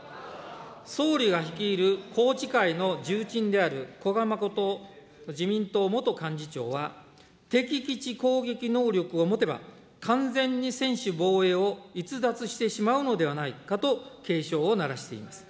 総理が率いる宏池会の重鎮である古賀誠自民党元幹事長は、敵基地攻撃能力を持てば、完全に専守防衛を逸脱してしまうのではないかと警鐘を鳴らしています。